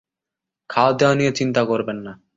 খাওয়াদাওয়া নিয়ে চিন্তা করবেন না।